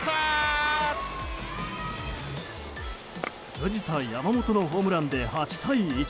藤田、山本のホームランで８対１。